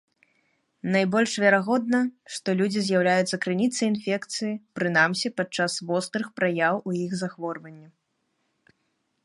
Найбольш верагодна, што людзі з'яўляюцца крыніцай інфекцыі прынамсі падчас вострых праяў у іх захворвання.